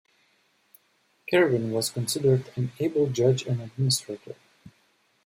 Kerwin was considered an able judge and administrator.